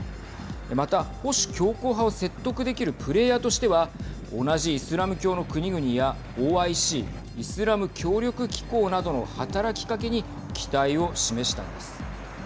また、保守強硬派を説得できるプレーヤーとしては同じイスラム教の国々やＯＩＣ＝イスラム協力機構などの働きかけに期待を示したんです。